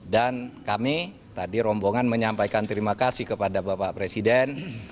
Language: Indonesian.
dan kami tadi rombongan menyampaikan terima kasih kepada bapak presiden